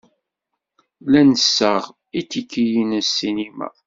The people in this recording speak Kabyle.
La d-nessaɣ itikiyen n ssinima.